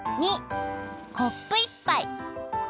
②コップ１ぱい。